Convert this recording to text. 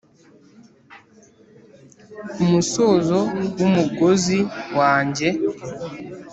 ku musozo wumugozi wanjye